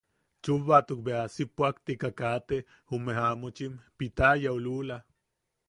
Chubbatuk bea si puʼaktika kaate jume jamuchim. Pitayau lula.